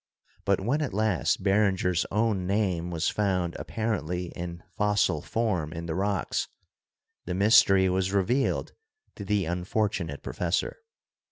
But when at last Beringer's own name was found apparently in fossil form in the rocks, the mystery was revealed to the unfortunate professor.